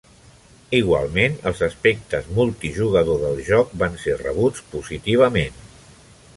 Igualment, els aspectes multijugador del joc van ser rebuts positivament.